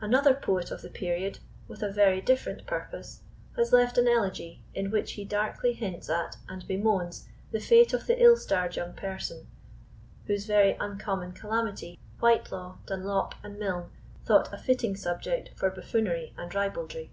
Another poet of the period, with a very different purpose, has left an elegy, in which he darkly hints at and bemoans the fate of the ill starred young person, whose very uncommon calamity Whitelaw, Dunlop, and Milne thought a fitting subject for buffoonery and ribaldry.